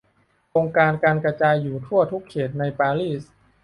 โครงการกระจายอยู่ทั่วทุกเขตในปารีส